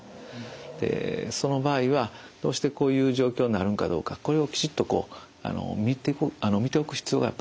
でその場合はどうしてこういう状況になるんかどうかこれをきちっと診ておく必要がありますね。